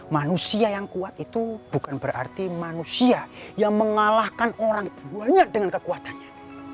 manusia yang kuat itu bukan berarti manusia yang mengalahkan orang banyak dengan kekuatannya